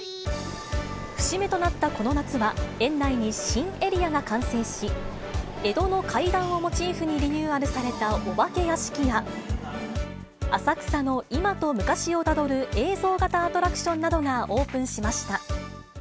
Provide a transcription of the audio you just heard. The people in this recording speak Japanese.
節目となったこの夏は、園内に新エリアが完成し、江戸の怪談をモチーフにリニューアルされたお化け屋敷や、浅草の今と昔をたどる映像型アトラクションなどがオープンしました。